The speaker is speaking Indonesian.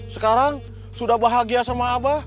sekarang sudah bahagia sama apa